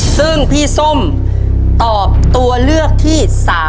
ซึ่งพี่ส้มตอบตัวเลือกที่๓